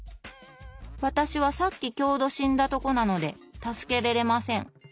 「わたしは、さっききょうど死んだとこなので、助けれれません。」